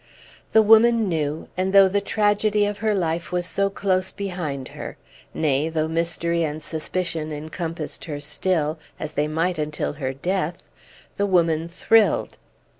The woman knew; and though the tragedy of her life was so close behind her; nay, though mystery and suspicion encompassed her still, as they might until her death, the woman thrilled.